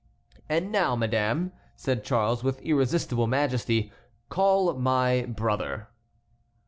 "And now, madame," said Charles, with irresistible majesty, "call my brother."